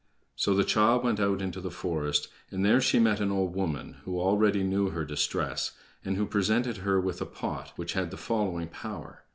So the child went out into the forest, and there she met an old woman, who already knew her distress, and who presented her with a pot which had the following power.